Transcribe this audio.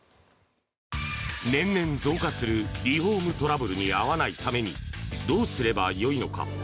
年々増加するリフォームトラブルに遭わないためにどうすればよいのか。